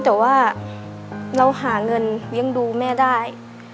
แต่ว่าเราหาเงินเลี้ยงดูแม่ได้